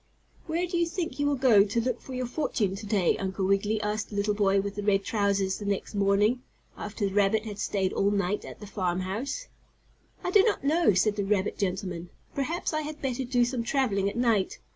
"Where do you think you will go to look for your fortune to day, Uncle Wiggily?" asked the little boy with the red trousers the next morning, after the rabbit had stayed all night at the farm house. "I do not know," said the rabbit gentleman. "Perhaps I had better do some traveling at night.